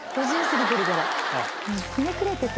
５０過ぎてるから。